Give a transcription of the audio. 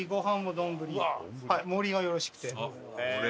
盛りがよろしくて。